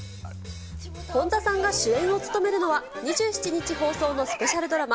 本田さんが主演を務めるのは、２７日放送のスペシャルドラマ、